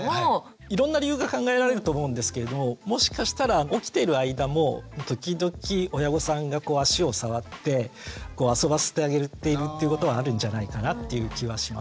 いろんな理由が考えられると思うんですけれどももしかしたら起きている間も時々親御さんが足を触って遊ばせてあげているっていうことはあるんじゃないかなっていう気はします。